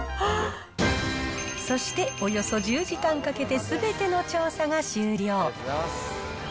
そしておよそ１０時間かけてすべての調査が終了。